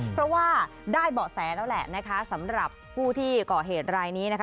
เพราะว่าได้เบาะแสแล้วแหละนะคะสำหรับผู้ที่ก่อเหตุรายนี้นะคะ